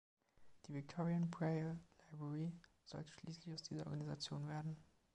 Die "Victorian Braille Library" sollte schließlich aus dieser Organisation werden.